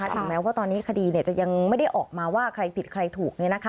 ถึงแม้ว่าตอนนี้คดีจะยังไม่ได้ออกมาว่าใครผิดใครถูก